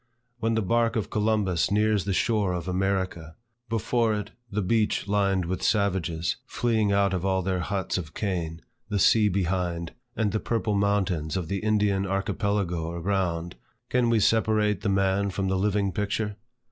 When the bark of Columbus nears the shore of America; before it, the beach lined with savages, fleeing out of all their huts of cane; the sea behind; and the purple mountains of the Indian Archipelago around, can we separate the man from the living picture?